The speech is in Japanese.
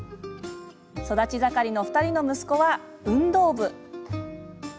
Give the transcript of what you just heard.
育ち盛りの２人の息子は運動部。